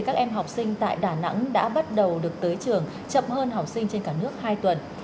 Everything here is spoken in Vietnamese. các em học sinh tại đà nẵng đã bắt đầu được tới trường chậm hơn học sinh trên cả nước hai tuần